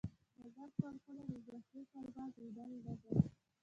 د مرګ پر پوله دي زخمي سرباز لیدلی نه دی